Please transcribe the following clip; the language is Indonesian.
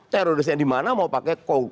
teroris yang dimana mau pakai coach